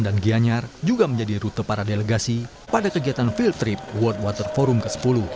dan gianyar juga menjadi rute para delegasi pada kegiatan field trip world water forum ke sepuluh